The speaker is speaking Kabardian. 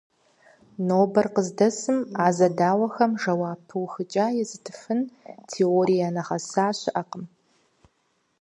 Нобэр къыздэсым а зэдауэхэм жэуап пыухыкӀа езытыфын теорие нэгъэса щыӀэкъым.